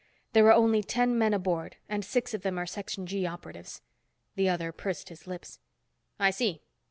There are only ten men aboard, and six of them are Section G operatives." The other pursed his lips. "I see.